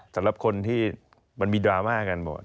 สำหรับคนที่มันมีดราม่ากันหมด